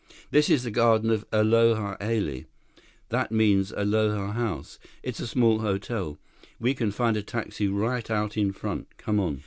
"This is the garden of the Aloha Hale—that means Aloha House. It's a small hotel. We can find a taxi right out front. Come on."